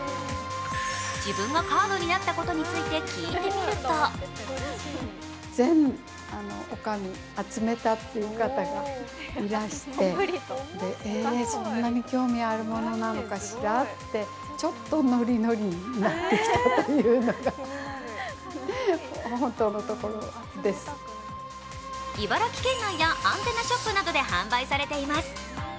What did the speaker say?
自分がカードになったことについて聞いてみると茨城県内やアンテナショップなどで販売されています。